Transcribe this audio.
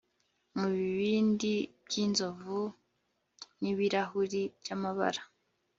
Mubibindi byinzovu nibirahuri byamabara